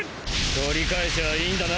取り返しゃあいいんだな。